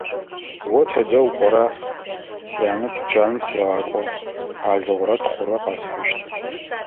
О тыдэ укӀора? – Сянэ тучаным сегъакӀо; хьалыгъурэ тхъурэ къэсхьыщт.